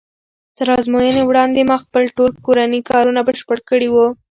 تر ازموینې وړاندې ما خپل ټول کورني کارونه بشپړ کړي وو.